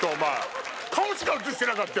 顔しか映してなかったよ